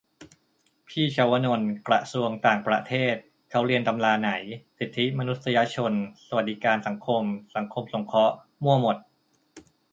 พี่ชวนนท์ กระทรวงต่างประเทศ เขาเรียนตำราไหน สิทธิมนุษยชน สวัสดิการสังคม สังคมสงเคราะห์ มั่วหมด